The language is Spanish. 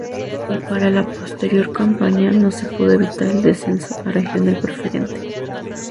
Y para la posterior campaña no se pudo evitar el descenso a Regional Preferente.